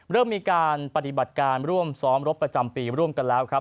เริ่มมีการปฏิบัติการร่วมซ้อมรบประจำปีร่วมกันแล้วครับ